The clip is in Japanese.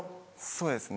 そうですね。